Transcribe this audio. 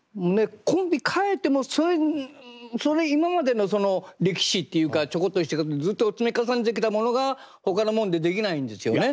コンビ替えてもそれ今までのその歴史っていうかちょこっとしたずっと積み重ねてきたものがほかのもんでできないんですよね。